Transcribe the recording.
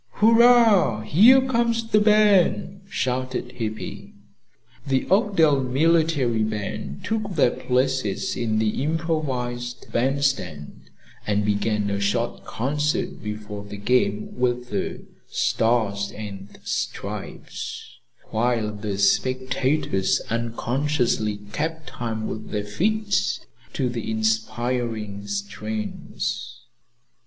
"Hurrah! Here comes the band!" shouted Hippy. The "Oakdale Military Band" took their places in the improvised bandstand and began a short concert before the game with the "Stars and Stripes," while the spectators unconsciously kept time with their feet to the inspiring strains.